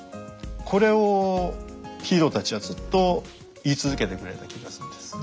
これをヒーローたちはずっと言い続けてくれた気がするんです。